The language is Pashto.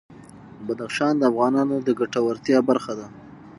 بدخشان د افغانانو د ګټورتیا برخه ده.